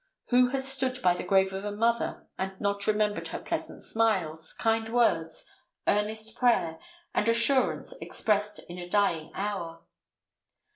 Who has stood by the grave of a mother and not remembered her pleasant smiles, kind words, earnest prayer, and assurance expressed in a dying hour?